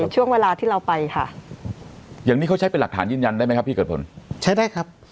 ช่วงเวลาที่เราไปค่ะอย่างนี้เขาใช้เป็นหลักฐานยืนยันได้ไหมครับพี่เกิดผลใช้ได้ครับ